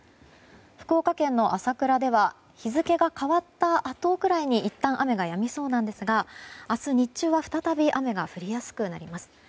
福岡県の朝倉では日付が変わったあとくらいにいったん雨がやみそうですが明日日中は再び雨が降りやすくなります。